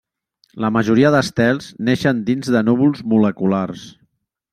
La majoria d'estels neixen dins de núvols moleculars.